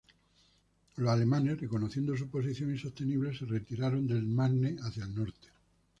Los alemanes, reconociendo su posición insostenible, se retiraron del Marne hacia el norte.